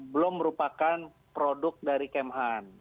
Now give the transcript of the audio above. belum merupakan produk dari kemhan